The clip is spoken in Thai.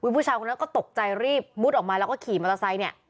ผู้ชายคนนั้นก็ตกใจรีบมุดออกมาแล้วก็ขี่มอเตอร์ไซค์เนี่ย